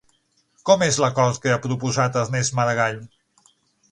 Com és l'acord que ha proposat Ernest Maragall?